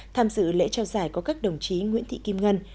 tham dự lễ trao giải có các đồng chí nguyễn thị kim ngân